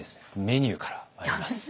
メニューからまいります。